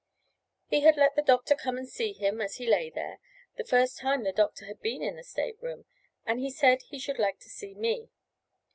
He had let the doctor come and see him as he lay there the first time the doctor had been in the state room and he said he should like to see me.